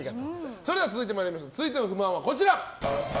それでは続いての不満はこちら。